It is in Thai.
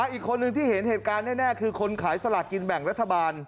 อีกคนนึงที่เห็นเหตุการณ์แน่คือคนขายสลากกินแบ่งรัฐบาล